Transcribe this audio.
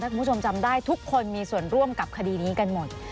คุณผู้ชมจำได้ทุกคนมีส่วนร่วมกับคดีนี้กันหมด